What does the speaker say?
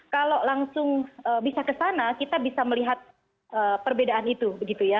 kalau langsung bisa ke sana kita bisa melihat perbedaan itu